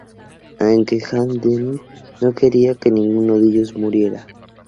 Aunque al-Hamdani no quería que ninguno de ellos muriera.